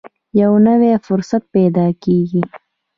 یو نوی فرصت پیدا کېږي.